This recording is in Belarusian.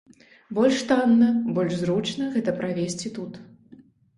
Больш танна, больш зручна гэта правесці тут.